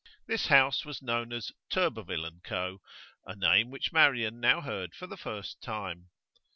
This house was known as 'Turberville & Co.,' a name which Marian now heard for the first time.